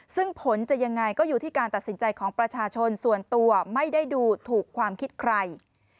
ซึ่งผลจะยังไงก็อยู่ที่การตัดสินใจของประชาชนส่วนตัวไม่ได้ดูถูกความคิดใคร